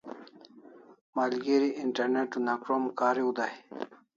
Malgeri internet una krom kariu dai